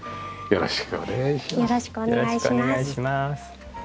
よろしくお願いします。